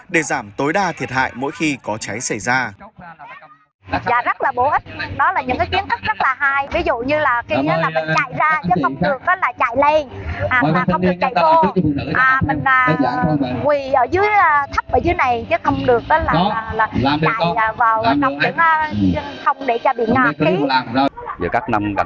để giảm tối đa thiệt hại mỗi khi có cháy xảy ra